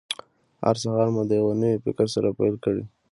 هر سهار مو د یوه نوي فکر سره پیل کړئ.